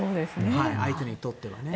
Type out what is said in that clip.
相手にとっては。